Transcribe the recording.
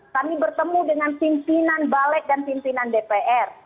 kami bertemu dengan pimpinan balik dan pimpinan dpr